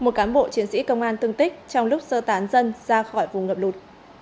một cán bộ chiến sĩ công an tương tích trong lúc sơ tán dân ra khỏi vùng ngập lụt